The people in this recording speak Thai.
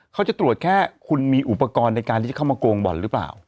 เขาจะตรวจแค่คุณมีอุปกรณ์ในการที่จะเข้ามาโกงบ่อนหรือเปล่า